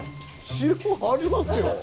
城ありますよ。